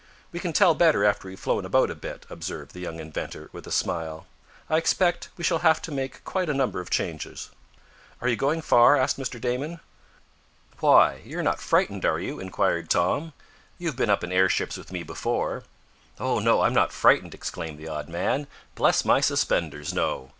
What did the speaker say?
"We can tell better after we've flown about a bit," observed the young inventor, with a smile. "I expect we shall have to make quite a number of changes." "Are you going far?" asked Mr. Damon. "Why, you're not frightened, are you?" inquired Tom. "You have been up in airships with me before." "Oh, no, I'm not frightened!" exclaimed the odd man. "Bless my suspenders, no!